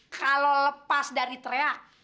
kalau lepas dari teriak